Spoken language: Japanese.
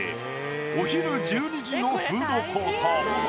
お昼１２時のフードコート。